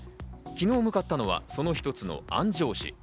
昨日、向かったのはその一つの安城市。